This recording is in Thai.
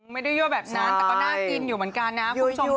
ไม่ได้ยั่วแบบนั้นแต่ก็น่ากินอยู่เหมือนกันนะคุณผู้ชม